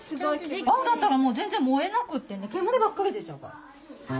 青だったら全然燃えなくてね煙ばっかり出ちゃうから。